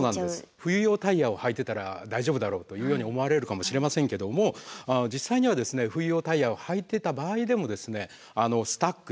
冬用タイヤを履いてたら大丈夫だろうというように思われるかもしれませんけども実際にはですね冬用タイヤを履いてた場合でもスタックといって発進不能状態になる。